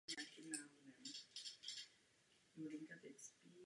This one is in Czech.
Kurdskou otázku nelze zjednodušit pouze na sociální problém.